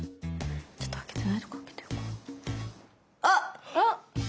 ちょっと開けてないとこ開けていこう。